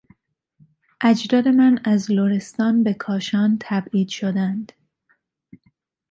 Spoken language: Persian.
اجداد من از لرستان به کاشان تبعید شدند.